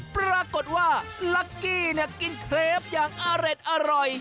ปรากฏว่าลักกี้กินเครปอย่างอร็ดอร่อย